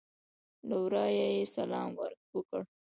له ورایه یې سلام وکړ.